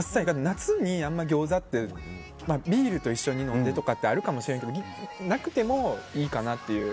夏にあんまりギョーザってビールと一緒に飲んでとかってあるかもしれんけどなくても、いいかなっていう。